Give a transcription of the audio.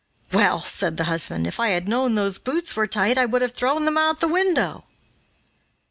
"Well," said the husband, "if I had known those boots were tight, I would have thrown them out of the window."